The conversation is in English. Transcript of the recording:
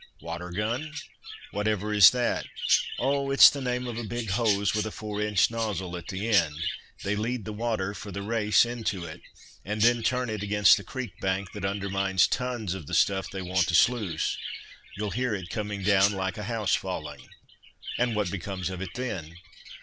"'Water gun?' What ever is that?" "Oh! it's the name of a big hose with a four inch nozzle at the end. They lead the water for the race into it, and then turn it against the creek bank; that undermines tons of the stuff they want to sluice—you'll hear it coming down like a house falling!" "And what becomes of it then?"